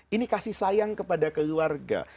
ini kasih sayang kepada keluarga